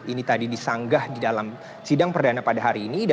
ini tadi disanggah di dalam sidang perdana pada hari ini